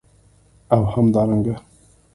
او همدارنګه